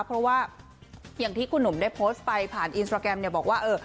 เพราะว่าอย่างที่คุณหนุ่มได้โพสต์ไปผ่านอินสตราแกรมเนี่ยบอกว่า